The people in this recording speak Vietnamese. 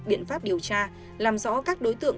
biện pháp điều tra làm rõ các đối tượng